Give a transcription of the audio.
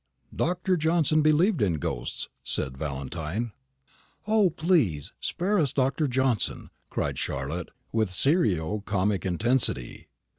"Dr. Johnson believed in ghosts," said Valentine. "O, please spare us Dr. Johnson," cried Charlotte, with seriocomic intensity.